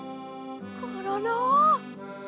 コロロ。